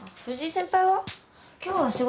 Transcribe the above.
藤井先輩は？